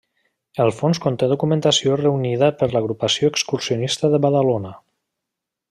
El fons conté documentació reunida per l'Agrupació Excursionista de Badalona.